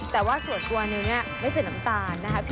แต่ว่าส่วนตัวอย่างนี้มันใส่น้ำตาลนะคะ